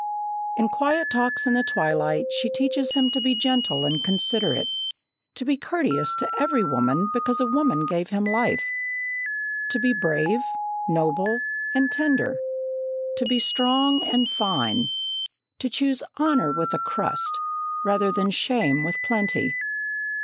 In quiet talks in the twilight, she teaches him to be gentle and considerate, to be courteous to every woman because a woman gave him life; to be brave, noble, and tender; to be strong and fine; to choose honour with a crust, rather than shame with plenty.